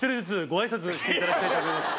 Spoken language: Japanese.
していただきたいと思います